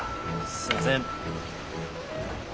すんません。